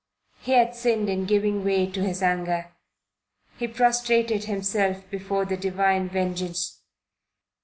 He had sinned in giving way to his anger. He prostrated himself before the divine vengeance.